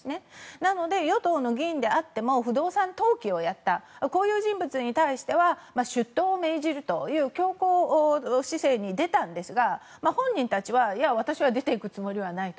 なので与党の議員で会っても不動産投機をやった人物に対して出頭を命じるという強硬姿勢に出たんですが本人たちは私は出て行くつもりはないと。